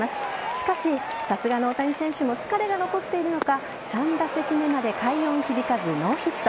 しかしさすがの大谷選手も疲れが残っているのか３打席目まで快音響かずノーヒット。